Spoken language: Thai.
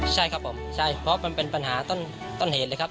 ใช่ครับผมใช่เพราะมันเป็นปัญหาต้นเหตุเลยครับ